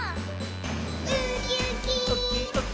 「ウキウキ」ウキウキ。